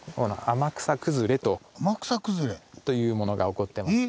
天草崩れ？というものが起こってます。